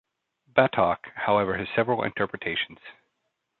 "Batok", however, has several interpretations.